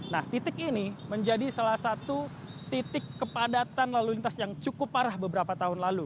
nah titik ini menjadi salah satu titik kepadatan lalu lintas yang cukup parah beberapa tahun lalu